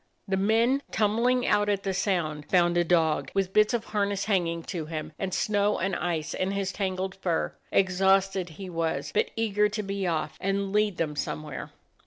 The men tumbling out at the sound found a dog, with bits of harness hanging to him, and snow and ice in his tangled fur. Exhausted he was, but eager to be off and lead them some where.